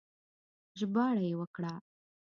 ژباړه يې وکړه